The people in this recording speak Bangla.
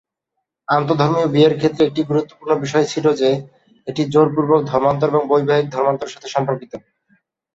আন্তঃধর্মীয় বিয়ের ক্ষেত্রে একটি গুরুত্বপূর্ণ বিষয় ছিল যে এটি জোরপূর্বক ধর্মান্তর এবং বৈবাহিক ধর্মান্তরের সাথে সম্পর্কিত।